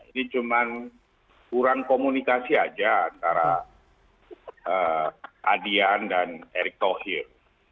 ini cuma kurang komunikasi aja antara adian dan erick thohir